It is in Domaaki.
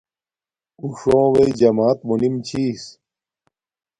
اُݸ ݽݸوݵئ جمݳت مُنِم چھݵس.